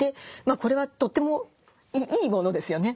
これはとてもいいものですよね。